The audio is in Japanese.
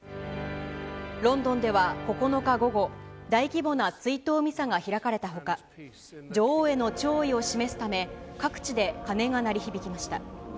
ロンドンでは９日午後、大規模な追悼ミサが開かれたほか、女王への弔意を示すため、各地で鐘が鳴り響きました。